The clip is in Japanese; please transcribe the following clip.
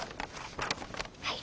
はい。